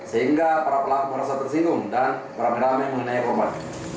sehingga para pelaku merasa tersinggung dan beramai ramai mengenai korban